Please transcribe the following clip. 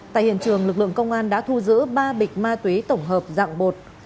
tại hiện trường lực lượng công an đã thu giữ ba bịch ma túy tổng hợp dạng bột